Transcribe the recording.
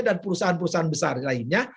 dan perusahaan perusahaan besar lainnya